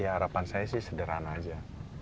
ya harapan saya sih sederhana aja